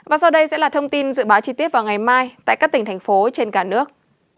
và sau đây sẽ là thông tin dự báo chi tiết vào ngày mai tại các tỉnh thành phố trên cả nước